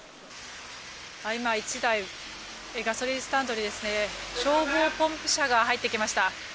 今、１台ガソリンスタンドに消防ポンプ車が入ってきました。